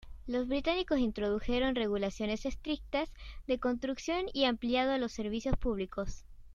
Los británicos introdujeron regulaciones estrictas de construcción y ampliado los servicios públicos.